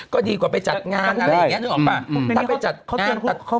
ก็ดีกว่าไปจัดงานอะไรอย่างนี้นึกออกป่ะ